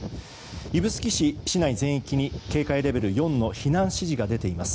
指宿市市内全域に警戒レベル４の避難指示が出ています。